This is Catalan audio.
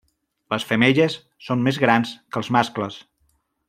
Les femelles són més grans que els mascles.